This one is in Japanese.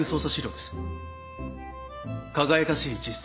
輝かしい実績。